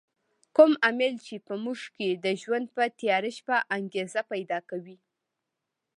کوم عامل چې په موږ کې د ژوند په تیاره شپه انګېزه پیدا کوي.